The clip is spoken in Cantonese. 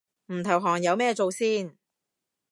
唔投降有咩做先